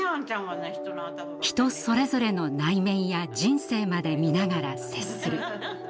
人それぞれの内面や人生まで看ながら接する。